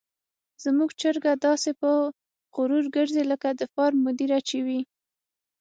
زموږ چرګه داسې په غرور ګرځي لکه د فارم مدیره چې وي.